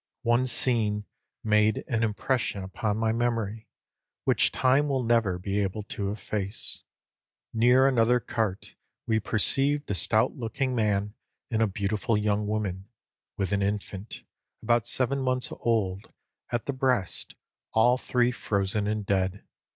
One scene made an impression upon my memory which time will never be able to efface. Near another cart we perceived a stout looking man and a beautiful young woman, with an infant, about seven months old, at the breast, all three frozen and dead.